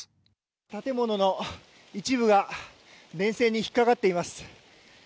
建物の一部が電線に引っ掛かっています。